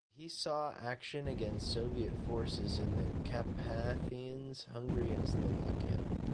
He saw action against Soviet forces in the Carpathians, Hungary and Slovakia.